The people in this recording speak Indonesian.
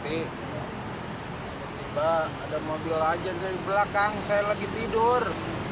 tiba tiba ada mobil aja dari belakang saya lagi tidur